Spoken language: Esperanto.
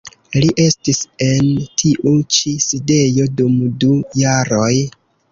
Li estis en tiu ĉi sidejo dum du jaroj.